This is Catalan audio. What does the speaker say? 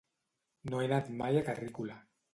No he anat mai a Carrícola.